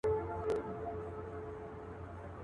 له دربار له تخت و تاج څخه پردۍ سوه.